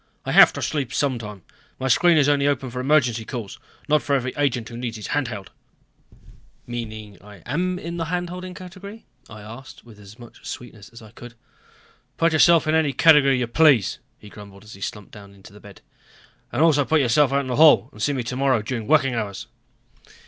"I have to sleep sometime. My screen is open only for emergency calls, not for every agent who needs his hand held." "Meaning I am in the hand holding category?" I asked with as much sweetness as I could. "Put yourself in any category you please," he grumbled as he slumped down in the bed. "And also put yourself out into the hall and see me tomorrow during working hours."